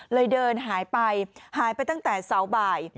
เดินหายไปหายไปตั้งแต่เสาบ่าย